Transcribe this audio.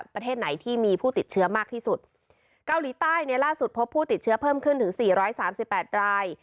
ประเทศไหนที่มีผู้ติดเชื้อมากที่สุดเกาหลีใต้เนี่ยล่าสุดพบผู้ติดเชื้อเพิ่มขึ้นถึงสี่ร้อยสามสิบแปดราย